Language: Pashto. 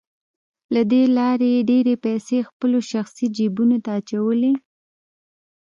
له دې لارې يې ډېرې پيسې خپلو شخصي جيبونو ته اچولې.